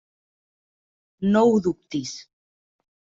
No ho dubtis.